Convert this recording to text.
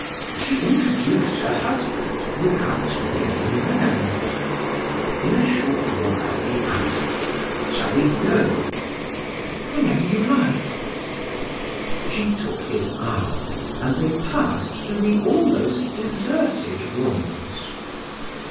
She introduced her husband without naming them. In a short while, he asked: "Shall we go?" "Whenever you like." She took his arm and they passed through the almost deserted rooms.